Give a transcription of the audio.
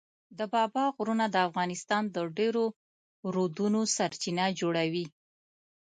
د بابا غرونه د افغانستان د ډېرو رودونو سرچینه جوړوي.